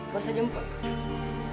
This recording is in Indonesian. gak usah jemput